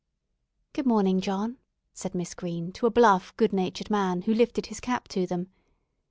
"Good morning, John," said Miss Green, to a bluff, good natured man who lifted his cap to them.